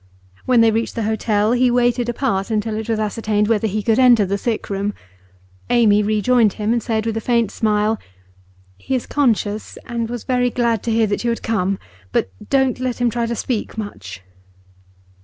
When they reached the hotel he waited apart until it was ascertained whether he could enter the sick room. Amy rejoined him and said with a faint smile: 'He is conscious, and was very glad to hear that you had come. But don't let him try to speak much.